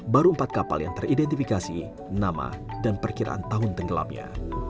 baru empat kapal yang teridentifikasi nama dan perkiraan tahun tenggelamnya